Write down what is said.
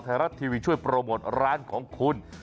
ไทยรัฐทีวีช่วยโปรโมทร้านของคุณ